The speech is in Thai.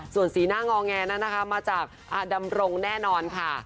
ส่วนสีหน้างอแงนั้นนะคะมาจากอาดำรงแน่นอนค่ะ